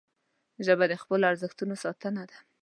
ژبه د خپلو ارزښتونو ساتنه ده